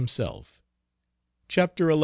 CHAPTER XI.